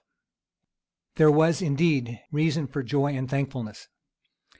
These was indeed reason for joy and thankfulness.